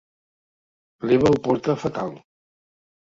L'Eva ho porta fatal.